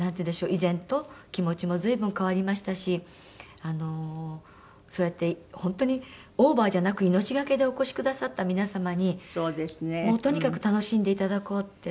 以前と気持ちも随分変わりましたしあのそうやって本当にオーバーじゃなく命懸けでお越しくださった皆様にもうとにかく楽しんでいただこうって。